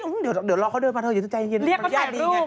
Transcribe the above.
แล้วพี่เคยเจอทรัวย์จีนยัง